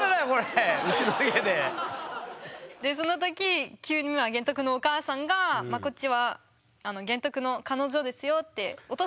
でその時急に玄徳のお母さんが「こっちは玄徳の彼女ですよ」ってお父さんに言って。